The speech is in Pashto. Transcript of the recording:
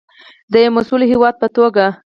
د یو مسوول هیواد په توګه.